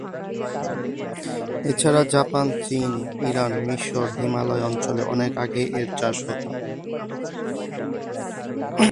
এছাড়া জাপান, চীন, ইরান, মিশর, হিমালয় অঞ্চলে অনেক আগে এর চাষ হত।